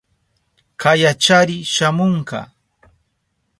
Kayachari shamunka.